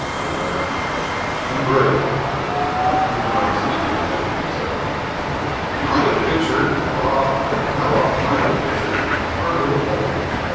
he muttered. "Be brave!" He went on, speaking as if to himself. "I had pictured ah, how often I had pictured! our little home!